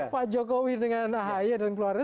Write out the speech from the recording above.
pak jokowi dengan ahy dan keluarga